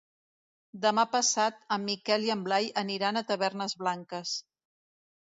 Demà passat en Miquel i en Blai aniran a Tavernes Blanques.